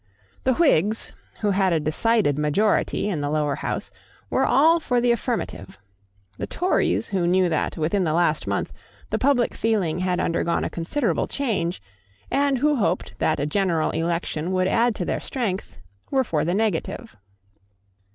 The Whigs, who had a decided majority in the Lower House, were all for the affirmative. The Tories, who knew that, within the last month, the public feeling had undergone a considerable change, and who hoped that a general election would add to their strength, were for the negative.